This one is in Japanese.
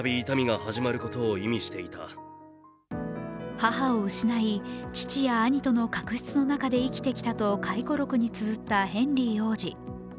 母を失い、父や兄との確執の中で生きてきたと回顧録の中で綴ったヘンリー王子。